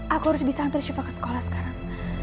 aku harus bisa hantar siva ke sekolah sekarang